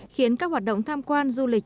khiến các hoạt động tham quan du lịch